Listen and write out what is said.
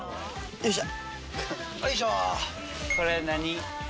よいしょ。